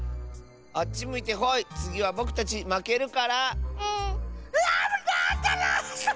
あっちむいてホイつぎはぼくたちまけるから。